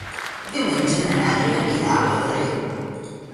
Diumenge na Nàdia irà a Pedreguer.